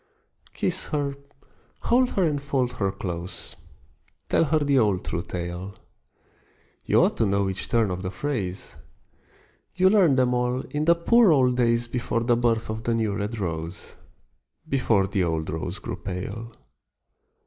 Kiss her, hold her and fold her close, Tell her the old true tale: You ought to know each turn of the phrase, You learned them all in the poor old days Before the birth of the new red rose, Before the old rose grew pale.